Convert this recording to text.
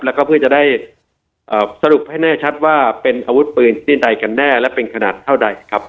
แล้วก็เพื่อจะได้สรุปให้แน่ชัดว่าเป็นอาวุธปืนที่ใดกันแน่และเป็นขนาดเท่าใดครับ